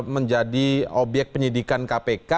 menjadi obyek penyidikan kpk